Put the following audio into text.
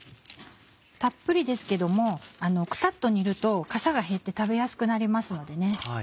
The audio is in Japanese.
たっぷりですけどもクタっと煮るとかさが減って食べやすくなりますのでね。